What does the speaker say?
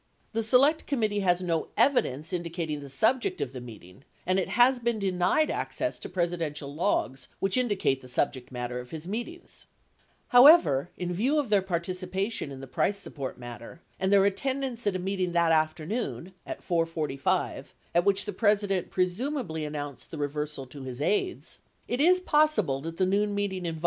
The Select Committee has no evidence indicating the subject of the meeting and it has been denied access to Presidential logs which indicate the subject matter of his meetings. However, in view of their participation in the price support matter and their attendance at a meeting that afternoon (at 4:45) at which the President presumably 04 Harrison, 14 Hearings 6270 ; Hanman, 14 Hearings 5876.